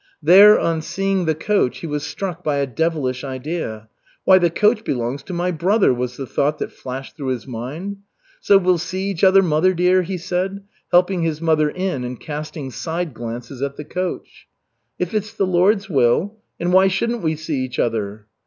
There on seeing the coach, he was struck by a devilish idea. "Why, the coach belongs to my brother," was the thought that flashed through his mind. "So we'll see each other, mother dear?" he said, helping his mother in and casting side glances at the coach. "If it's the Lord's will and why shouldn't we see each other?"